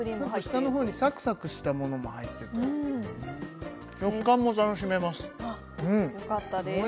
下の方にサクサクしたものも入ってて食感も楽しめますよかったです